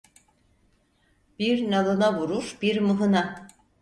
Bir nalına vurur, bir mıhına.